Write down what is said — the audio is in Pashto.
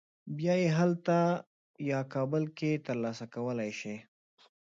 بیا یې هلته یا کابل کې تر لاسه کولی شې.